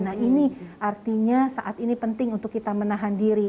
nah ini artinya saat ini penting untuk kita menahan diri